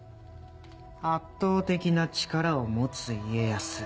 圧倒的な力を持つ家康。